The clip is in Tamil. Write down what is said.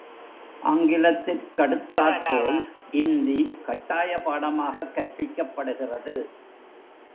ஆங்கிலத்திற் கடுத்தாற்போல், இந்தி கட்டாய பாடமாகக் கற்பிக்கப்படுகிறது.